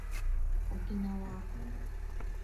おきなわ